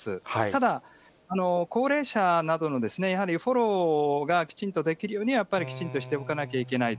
ただ、高齢者などのやはりフォローがきちんとできるように、やっぱりきちんとしておかなきゃいけない。